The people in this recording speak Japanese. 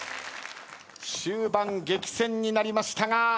終盤激戦になりましたが。